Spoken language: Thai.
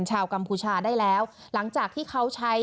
กัมพูชาได้แล้วหลังจากที่เขาใช้